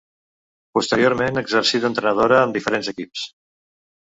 Posteriorment exercí d'entrenadora en diferents equips.